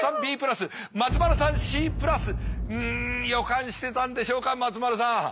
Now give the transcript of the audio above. うん予感してたんでしょうか松丸さん。